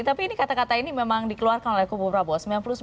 tapi ini kata kata ini memang dikeluarkan oleh kubu prabowo